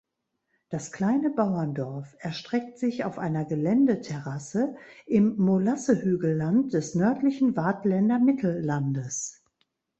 Das kleine Bauerndorf erstreckt sich auf einer Geländeterrasse im Molassehügelland des nördlichen Waadtländer Mittellandes.